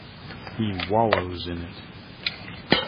He wallows in it.